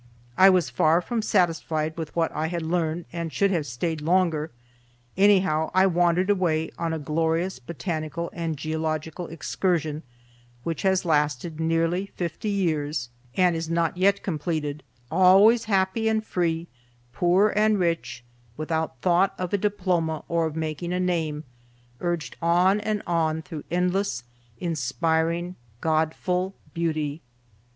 I was far from satisfied with what I had learned, and should have stayed longer. Anyhow I wandered away on a glorious botanical and geological excursion, which has lasted nearly fifty years and is not yet completed, always happy and free, poor and rich, without thought of a diploma or of making a name, urged on and on through endless, inspiring, Godful beauty.